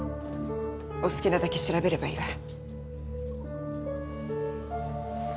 お好きなだけ調べればいいわ。